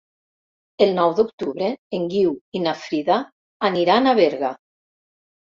El nou d'octubre en Guiu i na Frida aniran a Berga.